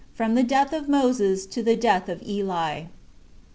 From The Death Of Moses To The Death Of Eli.